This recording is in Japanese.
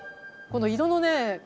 この色のね